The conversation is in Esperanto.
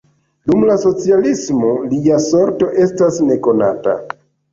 Dum la socialismo lia sorto estas nekonata.